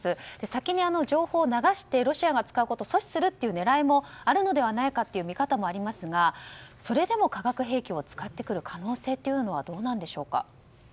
先に情報を流してロシアが使うことを阻止する狙いもあるのではという見方もありますがそれでも化学兵器を使ってくる可能性はどうなんでしょうか？